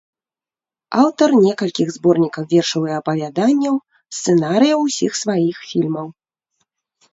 Аўтар некалькіх зборнікаў вершаў і апавяданняў, сцэнарыяў усіх сваіх фільмаў.